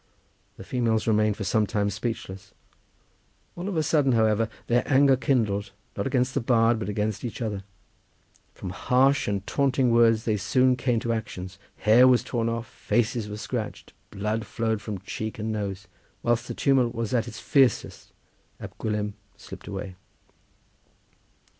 "The females remained for some time speechless; all of a sudden, however, their anger kindled, not against the bard, but against each other. From harsh and taunting words they soon came to actions: hair was torn off; faces were scratched; blood flowed from cheek and nose. Whilst the tumult was at its fiercest Ab Gwilym slipped away."